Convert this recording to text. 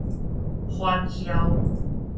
反僥